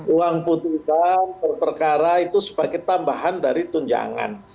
uang putusan perkara itu sebagai tambahan dari tunjangan